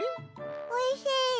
おいしい。